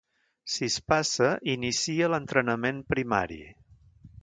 Si es passa, inicia l'entrenament primari.